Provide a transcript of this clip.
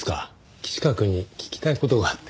岸川くんに聞きたい事があって。